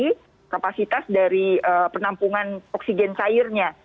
tapi kapasitas dari penampungan oksigen sayurnya